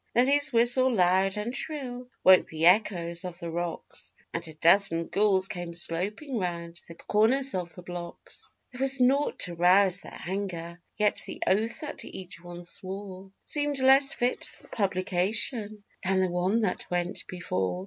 Then his whistle, loud and shrill, woke the echoes of the 'Rocks,' And a dozen ghouls came sloping round the corners of the blocks. There was nought to rouse their anger; yet the oath that each one swore Seemed less fit for publication than the one that went before.